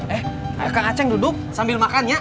eh kang aceng duduk sambil makan ya